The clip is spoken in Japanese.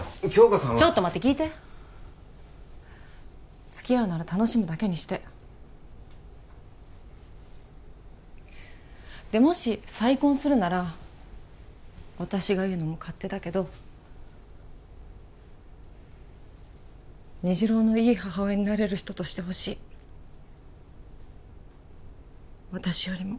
杏花さんはちょっと待って聞いて付き合うなら楽しむだけにしてでもし再婚するなら私が言うのも勝手だけど虹朗のいい母親になれる人としてほしい私よりも